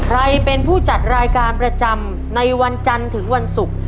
ใครเป็นผู้จัดรายการประจำในวันจันทร์ถึงวันศุกร์